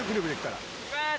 いきます